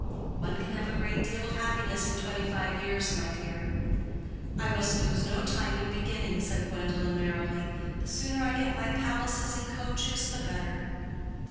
"One can have a great deal of happiness in twenty five years, my dear." "I must lose no time in beginning," said Gwendolen, merrily. "The sooner I get my palaces and coaches the better."